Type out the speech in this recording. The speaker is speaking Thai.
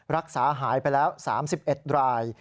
รักษาหายไปแล้ว๓๑ราย